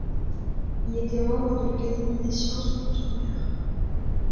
Il était membre de l'Académie des sciences d'outre-mer.